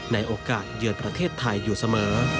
ในโอกาสเยือนประเทศไทยอยู่เสมอ